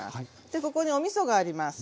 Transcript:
でここにおみそがあります。